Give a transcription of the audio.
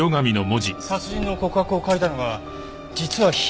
殺人の告白を書いたのが実は被害者だった。